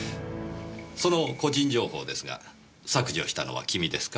その個人情報ですが削除したのは君ですか？